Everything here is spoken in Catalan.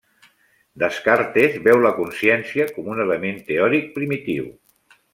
Descartes veu la consciència com un element teòric primitiu.